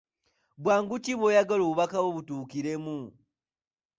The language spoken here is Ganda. Bwangu ki bw'oyagala obubaka obwo butuukiremu?